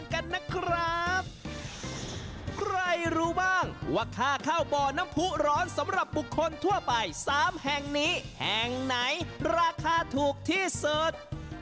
ใครรู้ว่าค่าข้าวบ่อน้ำผู้ร้อนสำหรับบุคคลทั่วไป๓แห่งนี้แห่งไหนราคาถูกที่สุด